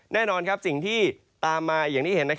แน่นอนสิ่งที่ตามมาอย่างที่เห็น